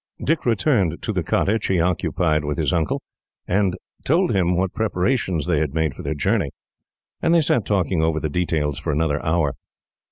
Dick returned to the cottage he occupied with his uncle, and told him what preparations they had made for their journey; and they sat talking over the details for another hour.